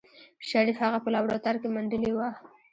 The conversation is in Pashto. شريف هغه په لابراتوار کې منډلې وه.